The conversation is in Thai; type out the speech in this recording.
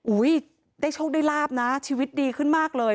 ได้โชคได้ลาบนะชีวิตดีขึ้นมากเลย